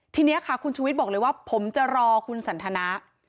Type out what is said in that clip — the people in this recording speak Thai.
ทีนี้ค่ะคุณชุวิตบอกเลยว่าผมจะรอคุณสันทนะ